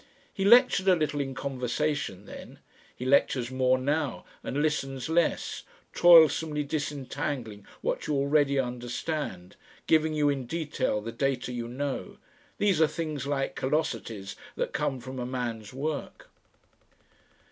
He lectured a little in conversation then; he lectures more now and listens less, toilsomely disentangling what you already understand, giving you in detail the data you know; these are things like callosities that come from a man's work.